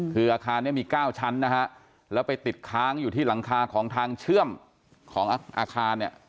คืออาคารนี้มี๙ชั้นนะฮะแล้วไปติดค้างอยู่ที่หลังคาของทางเชื่อมของอาคารเนี่ย